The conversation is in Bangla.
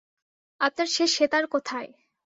আপনার সে সেতার কোথায়?